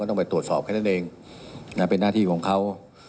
ต้องไปตรวจสอบแค่นั้นเองนะเป็นหน้าที่ของเขา